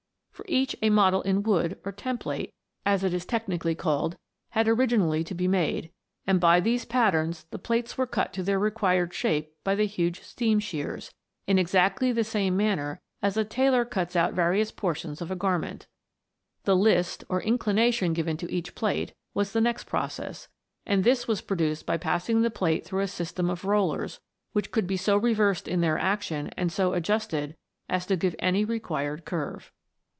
For each a model in wood, or " template," as it is technically called, had originally to be made, THE WONDERFUL LAMP. 319 and by these patterns the plates were cut into their required shape by the huge steam shears, in exactly the same manner as a tailor cuts out various por tions of a garment. The " list," or inclination given to each plate, was the next process; and this was produced by passing the plate through a system of rollers, which could be so reversed in their action, and so adjusted, as to give any required curve.